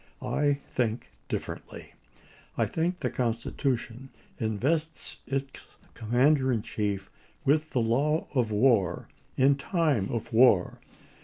I think differently. I think the Constitution invests its Commander in Chief with the law of war in time of war.